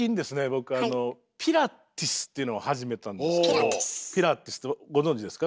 僕あの「ピラティス」っていうのを始めたんですけどピラティスってご存じですか？